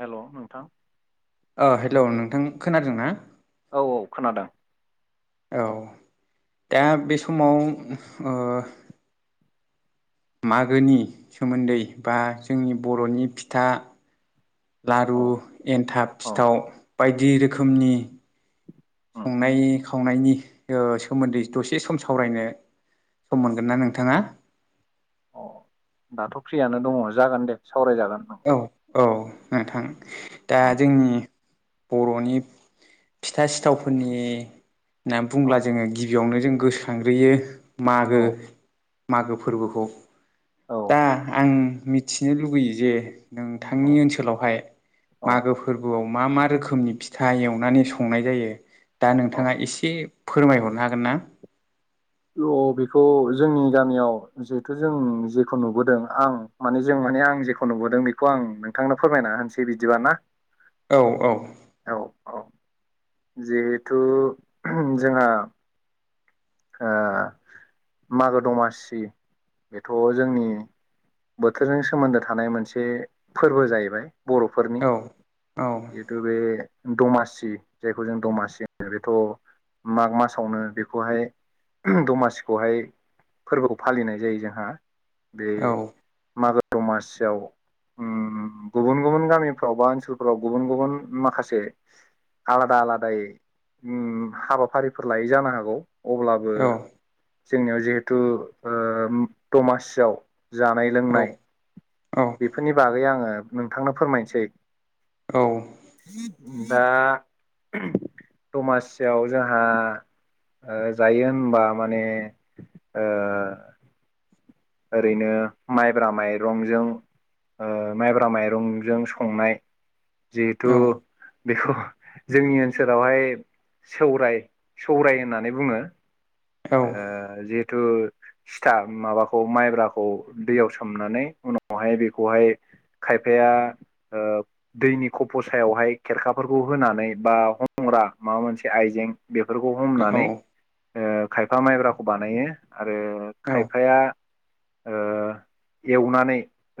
हेल' नोंथां अ हेल' नोंथां खोनादों ना औ औ खोनादों औ दा बे समाव ओ मागोनि सोमोन्दै बा जोंनि बरनि फिथा औ लारु एनथाब औ सिथाव बायदि रोखोमनि उम संनाय खावनायनि ओ सोमोन्दै दसे सम सावरायनो सम मोनगोन ना नोंथाङा अ दाथ फ्रियानो दङ जागोन दे सावरायजागोन औ औ नोंथां दा औ जोंनि बर'नि फिथा सिथावफोरनि होननानै औ बुंब्ला जोङो गिबियावनो जों गोसोखांग्रोयो मागो औ मागो फोरबोखौ औ दा आं मिथिनो लुुबैयो जे औ नोंथांनि ओनसोलावहाय औ मागो फोरबोआव मा मा रोखोमनि फिथा एवनानै संनाय जायो दा औ नोंथाङा एसे फोरमायहरनो हागोन ना बेखौ जोंनि गामियाव जिहेथु जों जेखौ नुबोदों आं माने जों माने आं जेखौ नुबोदों बेखौ आं नोंथांनो फोरमायना होनसै बिदिबाना औ औ औ जिहेथु जोंहा ओ मागो दमासि बेथ' जोंनि बोथोरजों सोमोन्दो थानाय मोनसे फोरबो जाहैबाय बर'फोरनि औ औ जिहेतु बे दमासि जायखौ जों दमासि होनो बेथ' माग मासावनो बेखौहाय दमासिखौहाय फोरबोखौ फालिनाय जायो जोंहा बे औ मागो दमासियाव उम गुबुन गुबुन गामिफ्राव बा ओन लफोराव गुबुन गुबुन माखासे आलादा आलादायै उम हाबाफारिफोर लायै जानो हागौ अब्लाबो औ जोंनियाव जिहेथु ओ दमासियाव जानाय औ लोंनाय औ बेफोरनि बागै आङो नोंथांनो फोरमायनोसै औ ओ दा दमासियाव जोंहा ओ जायो होनबा माने ओ ओरैनो माइब्रा माइरंजों ओ माइब्रा माइरंजों संनाय जिहेथु बेखौ जोंनि ओनसोलावहाय सौराय सौराय होननानै बुङो ओ जि हेतु सिथा माबाखौ माइब्राखौ दैयाव सोमनानै उनावहाय बेखौहाय खायफाया ओ दैनि खफ' सायावहाय खेरखाफोरखौ होनानै बा हम- ग्रा माबा मोनसे आइजें बेफोरखौ हमनानै ओ खायफा माइब्राखौ बानायो। आरो खायफाया ओ एवनानै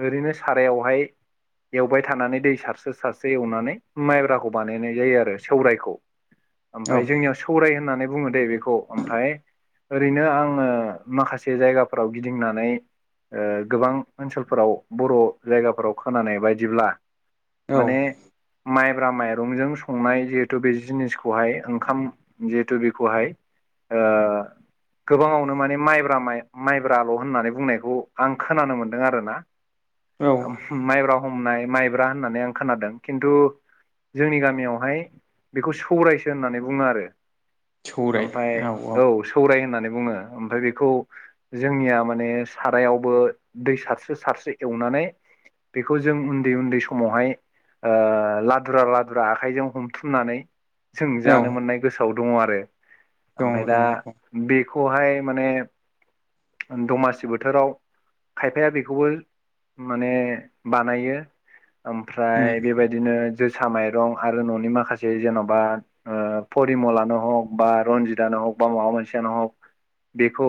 ओरैनो सारायावहाय एवबाय थानानै दै सारसो सारसो एवनानै माइब्राखौ बानायनाय जायो आरो सौरायखौ औ ओमफाय जोंनियाव सौराय होननानै बुङो दै बेखौ ओमफाय ओरैनो आङो माखासे जायगाफोराव गिदिंनानै ओ गोबां ओनसोलफोराव बर' जायगाफोराव खोनानाय बायदिब्ला माने माइब्रा माइरंजों संनाय जिहेतु बे जिनिसखौहाय ओंखाम जिहेथु बेखौहाय ओ गोबाङावनो माने माइब्रा माइ माइब्राल' होननानै बुंनायखौ आं खोनानो मोनदों आरोना। औ माइब्रा हमनाय माइब्रा होननानै आं खोनादों खिन्थु जोंनि गामियावहाय बेखौ सौरायसो होननानै बुङो आरो। ओमफाय औ सौराय होननानै बुङो ओमफ्राय बेखौ जोंनिया माने सारायावबो दै सारसो सारसो एवनानै बेखौ जों उन्दै उन्दै समावहाय ओ लादुरा लादुरा आखाइजों हमथुमनानै जों औ जानो मोननाय गोसोआव दङ आरो। दङ ओमफाय दा दङ औ बेखौहाय माने दमासि बोथोराव खायफाया बेखौबो माने बानायो। उम ओमफ्राय बेबायदिनो जोसा माइरं आरो न'नि माखासे जेन'बा परिमलानो हग बा रनजितआनो [unintelligible] माबा मोनसेयानो हग बेखौ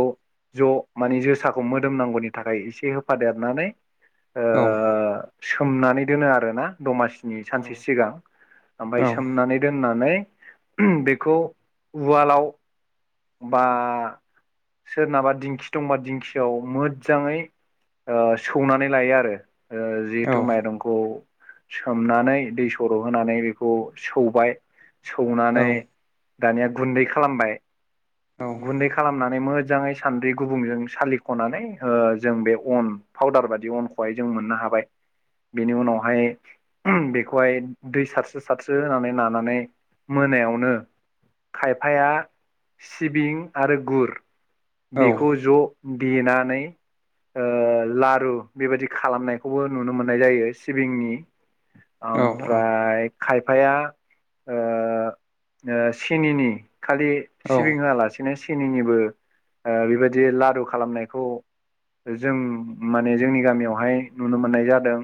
ज' माने जोसाखौ मोदोमनांगौनि थाखाय एसे होफादेरनानै ओ औ सोमनानै दोनो आरोना दमासिनि औ सानसे सिगां। औ ओमफाय सोमनानै दोननानै बेखौ उवालाव बा सोरनाबा दिंखि दंबा दिंखियाव मोदजाङै ओ सौनानै लायो आरो ओ औ जिहेतु माइरंखौ सोमनानै दै सर' होनानै बेखौ सौबाय औ सौनानै दानिया गुन्दै खालामबाय गुन्दै खालामनानै मोजाङै सान्द्रि गुबुंजों सालिख'नानै ओ जों बे अन पाउदार बादि अनखौहाय जों मोननो हाबाय। बेनि उनावहाय बेखौहाय दै सारसो सारस्रो होनानै नानानै मोनायावनो खायफाया सिबिं आरो गुर बेखौ ज' देनानै ओ लारु बेबायदि खालामनायखौबो नुनो मोननाय जायो सिबिंनि औ ओमफ्राय खायफाया ओ [inaudible] ओ सिनिनि खालि सिबिं होआलासेनो सिनिनिबो ओ बेबायदि लारू खालामनायखौ जों माने जोंनि गामियावहाय नुनो मोननाय जादों।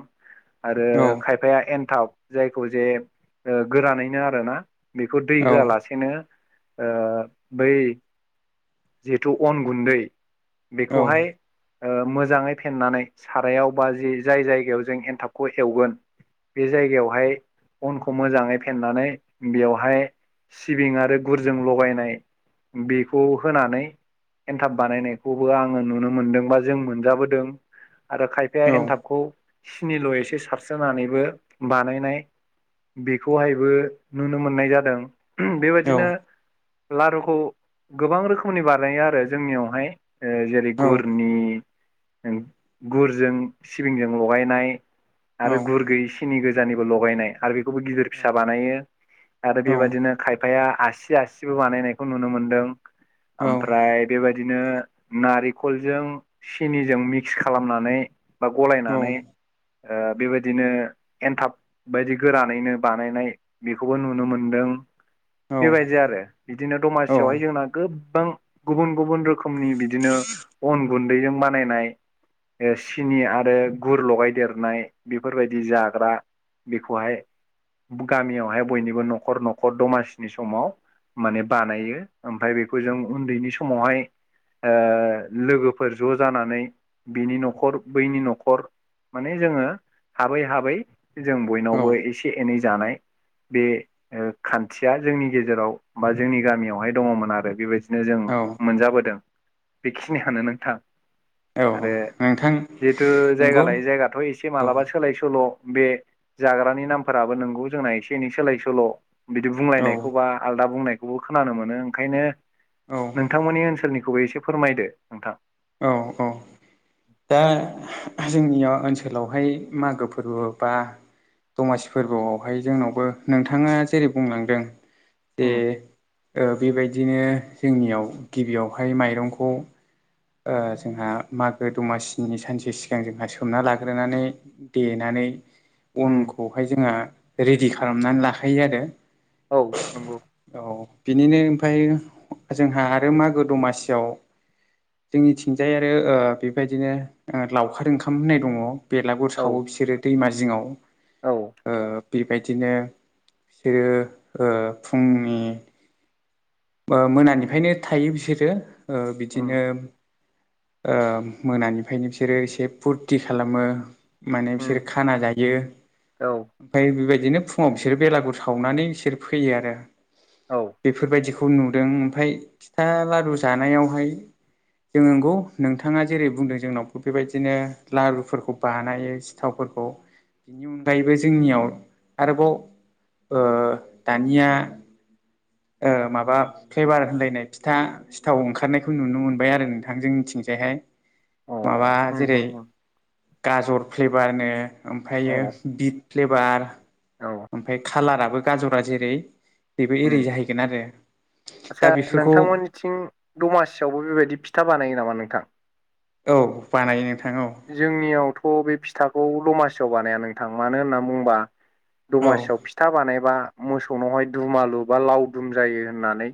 आरो औ औ खायफाया एन्थाब जायखौ जे ओ गोरानैनो आरो ना। बेखौ औ दै होआलासेनो ओ बै जि जिथु अन गुन्दै बेखौहाय ओ मोजाङै फेननानै सारायाव बा जि जाय जायगायाव जों एन्थाबखौ एवगोन बे जायगायावहाय अनखौ मोजाङै फेननानै बेवहाय सिबिं आरो गुरजों लगायनाय बेखौ होनानै एन्थाब बानायनायखौबो आङो नुनो मोनदों बा जों मोनजाबोदों। आरो खायफाया एन्थाबखौ सिनिल' एसे सारस्रोनानैबो बानायनाय बेखौहायबो नुनो मोननाय जादों। बेबायदिनो लारुखौ गोबां रोखोमनि बानायो आरो जोंनियावहाय जेरै गुरनि गुरजों सिबिंजों लगायनाय आरो गुर गैयि सिनि गोजानिबो लगायनाय आरो बेखौबो गिदिर फिसा बानायो। आरो बेबादिनो खायफाया आसि आसिबो बानायनायखौबो नुनो मोनदों ओमफ्राय बेबायदिनो नारिखलजों सिनिजों मिक्स खालामनानै बा गलायनानै ओ बेबायदिनो एन्थाब बायदि गोरानैनो बानायनाय बेखौबो नुनो मोनदों। बेबायदि औ आरो बिदिनो दमासियावहाय औ जोंना गोबां गुबुन गुबुन रोखोमनि बिदिनो अन गुन्दैजों बानायनाय ओ सिनि आरो गुर लगायदेरनाय बेफोरबायदि जाग्रा बेखौहाय गामियावहाय बयनिबो न'खर न'खर दमासिनि समाव माने बानायो ओमफ्राय बेखौ जों उन्दैनि समावहाय ओ लोगोफोर ज' जानानै बिनि न'खर बैनि न'खर माने जोङो हाबै हाबै जों बयनावबो एसे एनै जानाय बे ओ खान्थिया जोंनि गेजेराव बा जोंनि गामियावहाय दङमोन आरो बेबायदि नो जों औ औ मोनजाबोदों बेखिनियानो नोंथां। आरो नोंथां जिहेथु जायगा नंगौ लायै जायगाथ' एसे औ मालाबा सोलाय सोल' बे जाग्रानि नामफोराबो नोंगौ जोंना एसे एनै सोलाय सोल' बिदि औ बुंलायनायखौबा आलदा बुंनायखौबो खोनानो मोनो ओंखायनो औ नोंथांमोननि ओनसोलनिखौबो एसे फोरमायदो नोंथां। औ औ दा जोंनिया ओनसोलावहाय मागो फोरबो बा दमासि फोरबोआवहाय जोंनावबो नोंथाङा जेरै बुंलांदों दे उम ओ बेबायदिनो जोंनियाव गिबियावहाय माइरंखौ ओ जोंहा मागो दमासिनि सानसे सिगां जोंहा सोमना लाग्रोनानै देनानै उम अनखौहाय जोंहा रेडि खालामनानै लाखायो आरो औ नंगौ औ बिनिनो ओमफाय जोंहा आरो मागो दमासियाव जोंनिथिंजाय आरो ओ बेबायदिनो लावखार ओंखाम होननाय दङ बेलागुर औ सावो बिसोरो दैमा जिङाव औ ओ बिब बेबायदिनो बिसोरो फुंनि ओ मोनानिफ्रायनो थायो बिसोरो ओ उम बिदिनो ओ मोनानिफ्रायनो बिसोरो एसे फुरथि खालामो माने उम बिसोर खाना जायो। औ ओमफाय बेबायदिनो फुङाव बिसोर बेलागुर सावनानै बिसोर फैयो आरो औ अ बेफोरबायदिखौ नुदों ओमफाय फिथा लारु जानायावहाय जों नंगौ नोंथाङा जेरै बुंदों जोंनावबो बेबायदिनो लारुफोरखौ बानायो सिथावफोर खौ बिनि अनगायैबो जोंनियाव आरोबाव ओ दानिया ओ माबा माबा फ्लेभार होनलायनाय फिथा सिथाव ओंखारनायखौ नुनो मोनबाय आरो नोंथां जोंनिथिंजायहाय माबा उम जेरै उम गाजर फ्लेभारनो औ ओमफायो बिट फ्लेभार औ ओमफाय खाालाराबो गाजरा जेरै बेबो उम एरै जाहैगोन आरो आदसा दा बेफोरखौ नोंथांमोननिथिं दमासियावबो बेबायदि फिथा बानायो नामा नोंथां? औ बानायो नोंथां औ जोंनियावथ' बे फिथाखौ दमासियाव बानाया नोंथां मानो होनना बुंबा दमासियाव फिथा बानायबा मोसौनावहाय दुमालु बा लावदुम जायो होननानै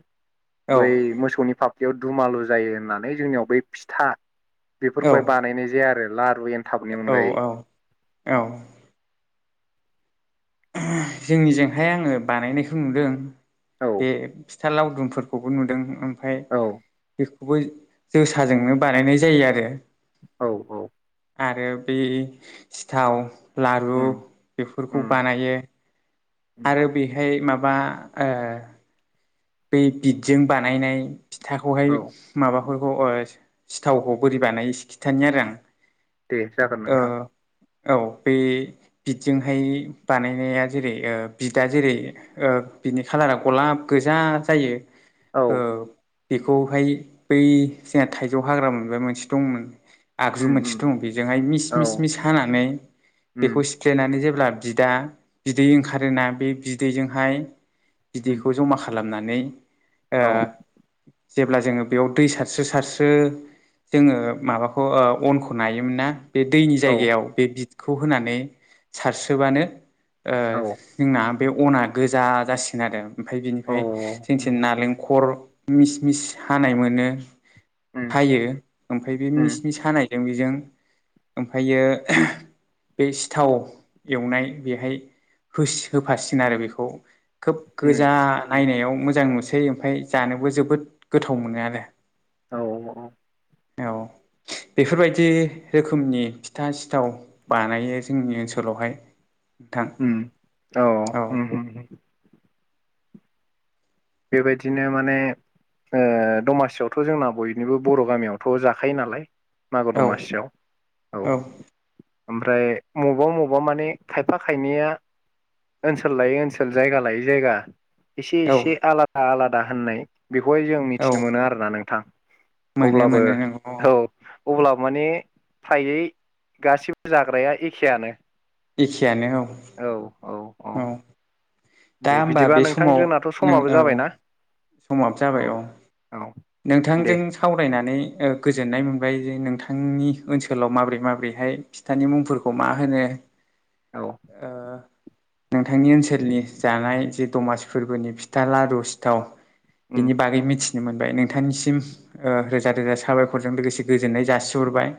औ बै मोसौनि फाफ्लियाव दुमालु जायो होननानै जोंनियाव बै फिथा बेफोरखौहाय बानायनाय जाया आरो लारु एनथाबनि औ अनगायै औ औ जोंनिजोंहाय आङो बानायनायखौ नुदों औ बे फिथा लावदुमफोरखौबो नुदों ओमफाय बेखौबो जोसाजोंनो बानायनाय जायो आरो। औ औ आरो बै सिथाव लारु उम बेफोरखौ उम बानायो उम आरो बेहाय माबा ओ बै बिदजों बानायनाय फिथाखौहाय औ माबाफोरखौ ओ सिथावखौ बोरै बानायो एसे खिथानि आरो आं दे जागोन नोंथां औ बे बिदजोंहाय बानायनाया जेरै बिदा जेरै ओ बिनि खालारा गलाब गोजा जायो औ ओ बेखौहाय बै जोंहा थाइजौ हाग्रा मोनबाय मोनसे दंमोन आगजु उम उम मोनसे दं बे- जोंहाय मिस औ मिस मिस हानानै उम बेखौ सिफ्लेनानै जेब्ला बिदा बिदै ओंखारोना बे बिदैजोंहाय उम बिदैखौ जमा खालामना- नै ओ औ जेब्ला जोङो बेयाव दै सारस्रो सारस्रो जोङो माबाखौ अनखौ नायोमोन ना बे दैनि औ जायगायाव बे बिदखौ होनानै सारसोबानो ओ औ जोंना बे अना गोजा जासिगोन आरो ओमफाय औ बिनिफ्राय जोंनिथिं उम नालेंखर मिस मिस हानाय मोनो उम हायो ओमफाय बे मिस उम मिस हानायजों बेजों ओमफायो बै सिथाव एवनाय बेहाय होसि होफासिगोन आरो बेखौ खोब उम गोजा नायनायाव मोजां नुसै ओमफाय जानोबो जोबोद गोथाव मोनो आरो औ औ औ औ बेफोरबायदि रोखोमनि फिथा सिथाव बानायो जोंनि ओनसोलावहाय नोंथां उम औ उम उम उम बेबायदिनो माने ओ दमासियावथ' जोंना बयनिबो बर' गामियावथ' जाखायो नालाय मागो औ दमासियाव औ ओमफ्राय मबेबा मबेबा माने खायफा खायनैया ओनसोल लायै ओनसोल जायगा लायै जायगा एसे औ एसे आलादा आलादा होननाय बेखौहाय जों औ मिथिनो मोनो आरोना नोंथां मोनो अब्लाबो मोनो नोंगौ औ अब्लाबो माने फ्रायै गासिबो जाग्राया एखेयानो एखेयानो औ औ औ औ दा दे होमबा बिदिबा बे नोंथां समाव जोंनाथ' नों समाबो औ जाबायना समाबो जाबाय औ औ दे नोंथांजों सावरायनानै ओ गोजोननाय मोनबाय जे नोंथांनि ओनसोलाव माबोरै माबोरैहाय फिथानि मुंफोरखौ मा होनो औ ओ नोंथांनि ओनसोलनि जानाय जे दमासि फोरबोनि फिथा लारु सिथाव उम बेनि बागै मिथिनो मोनबाय नोंथांनिसिम ओ रोजा रोजा साबायखरजों लोगोसे गो- जोननाय जासिहरबाय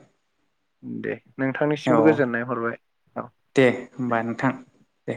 दे नोंथांनिसिमबो औ गोजोननाय हरबाय औ दे दे होमबा नोंथां दे